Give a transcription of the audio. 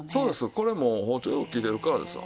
これもう包丁よう切れるからですわ。